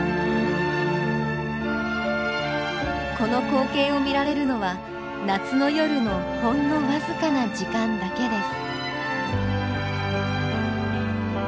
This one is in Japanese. この光景を見られるのは夏の夜のほんの僅かな時間だけです。